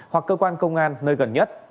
hoặc cơ quan công an nơi gần nhất